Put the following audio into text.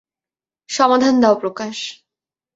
সমাধান দাও, প্রকাশ।